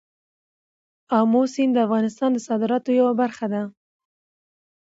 آمو سیند د افغانستان د صادراتو یوه برخه ده.